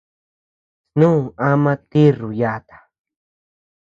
Snu ama tirru yata.